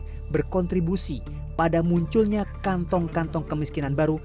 tapi mereka juga berkontribusi pada munculnya kantong kantong kemiskinan baru